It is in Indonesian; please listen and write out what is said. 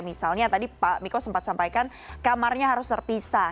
misalnya tadi pak miko sempat sampaikan kamarnya harus terpisah